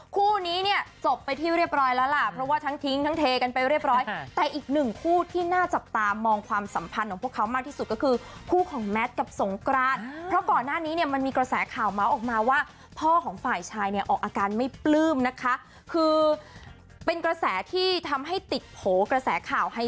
คู่นี้เนี่ยจบไปที่เรียบร้อยแล้วล่ะเพราะว่าทั้งทิ้งทั้งเทกันไปเรียบร้อยแต่อีกหนึ่งคู่ที่น่าจับตามองความสัมพันธ์ของพวกเขามากที่สุดก็คือคู่ของแมทกับสงกรานเพราะก่อนหน้านี้เนี่ยมันมีกระแสข่าวเมาส์ออกมาว่าพ่อของฝ่ายชายเนี่ยออกอาการไม่ปลื้มนะคะคือเป็นกระแสที่ทำให้ติดโผล่กระแสข่าวให้